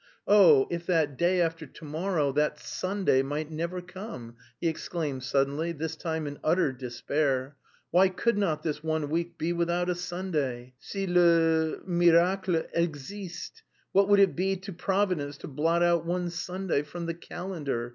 "Oh, if that day after to morrow, that Sunday, might never come!" he exclaimed suddenly, this time in utter despair. "Why could not this one week be without a Sunday si le miracle existe? What would it be to Providence to blot out one Sunday from the calendar?